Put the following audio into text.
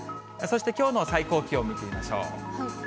そしてきょうの最高気温見てみましょう。